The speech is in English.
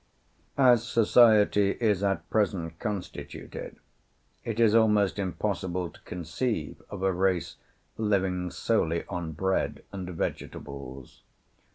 As society is at present constituted, it is almost impossible to conceive of a race living solely on bread and vegetables.